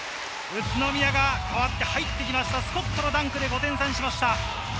宇都宮が代わって入ってきましたスコットのダンクで５点差にしました。